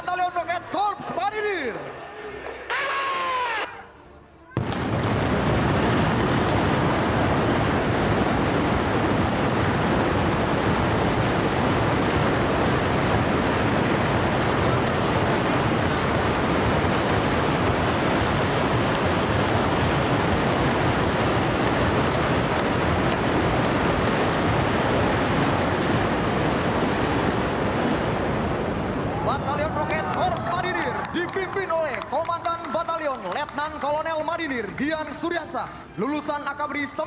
dan kemampuan terbuka